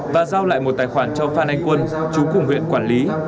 và giao lại một tài khoản cho phan anh quân chú cùng huyện quản lý